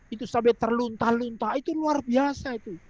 itu sampai terluntar luntar itu luar biasa itu